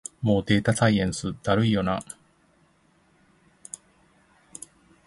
もうデータサイエンスだるいよな